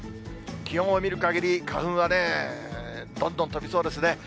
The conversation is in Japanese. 気温を見るかぎり、花粉はね、どんどん飛びそうですね。